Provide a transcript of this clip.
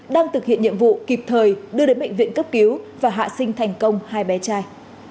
đang thực hiện nhiệm vụ kịp thời đưa đến bệnh viện cấp cứu và hạ sinh thành công hai bé trai